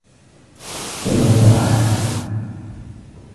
سيفرح.